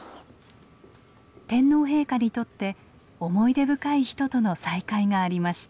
天皇陛下にとって思い出深い人との再会がありました。